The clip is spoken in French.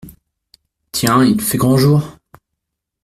Tiens, il fait grand jour !…